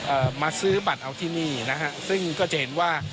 เอ่อมาซื้อบัตรเอาที่นี่นะฮะซึ่งก็จะเห็นว่า